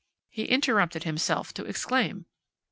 he interrupted himself to exclaim.